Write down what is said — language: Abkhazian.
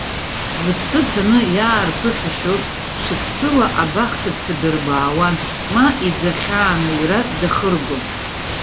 Зыԥсы ҭаны иаарԥыхьашәоз, шықәсыла абахҭа дҭадырбаауан, ма иӡахьаамыҩра дахыргон.